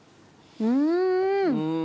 うん！